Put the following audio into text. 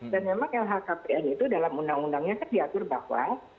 dan memang lhkpn itu dalam undang undangnya kan diatur bahwa